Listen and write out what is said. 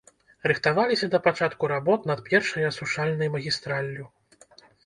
Рыхтаваліся да пачатку работ над першай асушальнай магістраллю.